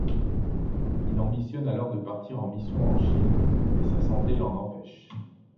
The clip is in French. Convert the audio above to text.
Il ambitionne alors de partir en mission en Chine mais sa santé l'en empêche.